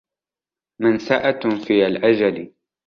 مَنْسَأَةٌ فِي الْأَجَلِ